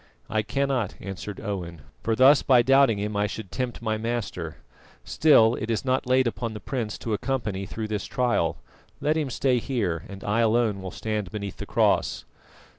"I cannot," answered Owen, "for thus by doubting Him I should tempt my Master. Still, it is not laid upon the prince to accompany through this trial. Let him stay here, and I alone will stand beneath the cross."